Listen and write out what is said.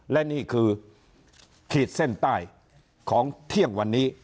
และนี่คือขีดเส้นใต้ของเที่ยงวันนี้